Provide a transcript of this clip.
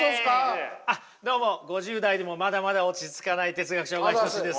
あっどうも５０代でもまだまだ落ち着かない哲学者小川仁志です。